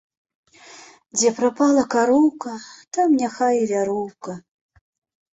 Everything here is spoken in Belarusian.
Дзе прапала кароўка, там няхай i вяроўка